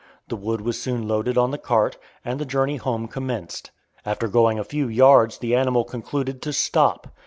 The wood was soon loaded on the cart, and the journey home commenced. After going a few yards the animal concluded to stop.